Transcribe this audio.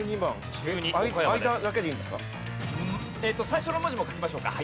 最初の文字も書きましょうか。